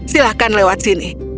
silakan lewat sini